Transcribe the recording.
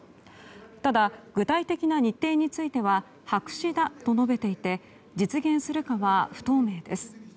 ただ、具体的な日程については白紙だと述べていて実現するかは不透明です。